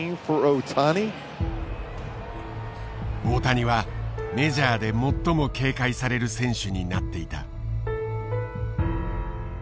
大谷はメジャーで最も警戒される選手になっていた。